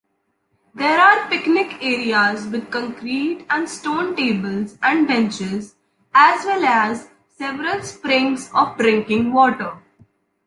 There are picnic areas with concrete and stone tables and benches as well as several springs of drinking water.